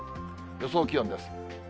予想気温です。